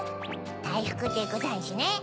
だいふくでござんしゅね。